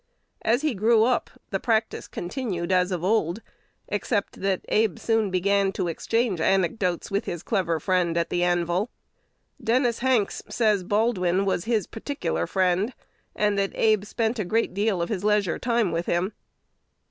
As he grew up, the practice continued as of old, except that Abe soon began to exchange anecdotes with his clever friend at the anvil. Dennis Hanks says Baldwin was his "particular friend," and that "Abe spent a great deal of his leisure time with him."